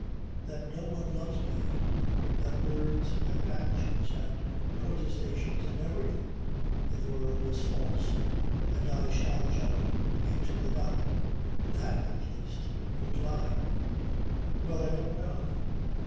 That no one loves me, that words and actions and protestations and everything in the world is false and I shall jump into the dock. That at least won't lie." Well I don't know.